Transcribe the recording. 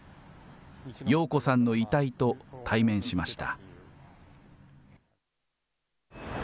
陽子さんの遺体と対面しました。